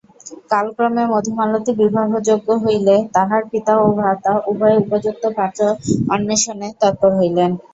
কালক্রমে মধুমালতী বিবাহযোগ্যা হইলে তাহার পিতা ও ভ্রাতা উভয়ে উপযুক্ত পাত্র অন্বেষণে তৎপর হইলেন।